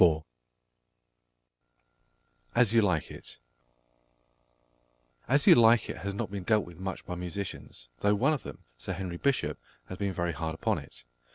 AS YOU LIKE IT As You Like It has not been dealt with much by musicians, though one of them, Sir Henry Bishop, has been very hard upon it.